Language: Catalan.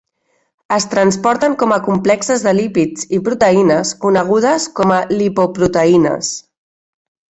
Es transporten com a complexes de lípids i proteïnes conegudes com a lipoproteïnes.